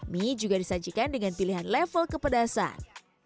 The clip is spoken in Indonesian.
mie juga disajikan dengan pilihan level kepedasan